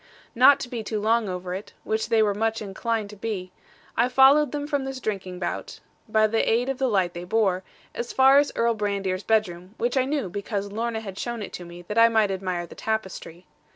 Not to be too long over it which they were much inclined to be I followed them from this drinking bout, by the aid of the light they bore, as far as Earl Brandir's bedroom, which I knew, because Lorna had shown it to me that I might admire the tapestry.